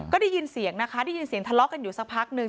ก็ได้ยินเสียงนะคะได้ยินเสียงทะเลาะกันอยู่สักพักนึง